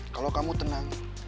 kalau kamu tenang